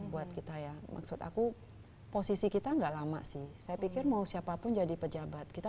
buat kita ya maksud aku posisi kita enggak lama sih saya pikir mau siapapun jadi pejabat kita